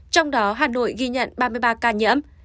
trong đó hà nội ghi nhận ba mươi ba ca nhiễm